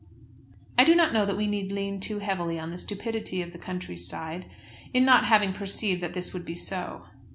I do not know that we need lean too heavily on the stupidity of the country's side in not having perceived that this would be so.